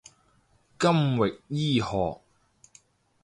金域醫學